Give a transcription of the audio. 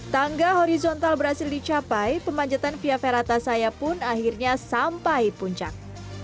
tangga horizontal berhasil dicapai pemanjatan via ferata saya pun akhirnya sampai puncak